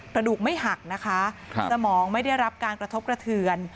กระดูกไม่หักนะคะสมองไม่ได้รับการกระทบกระเทือน